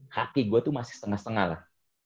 haki gue tuh masih setengah setengah lah